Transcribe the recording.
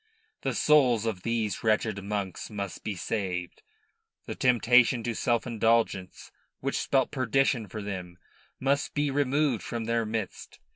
The souls of these wretched monks must be saved; the temptation to self indulgence, which spelt perdition for them, must be removed from their midst.